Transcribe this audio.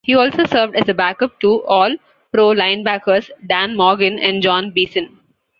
He also served as a backup to All-Pro Linebackers Dan Morgan and Jon Beason.